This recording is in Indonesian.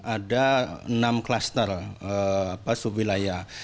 ada enam klaster sub wilayah